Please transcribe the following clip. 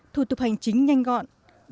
ba thủ tục hành chính nhanh gọn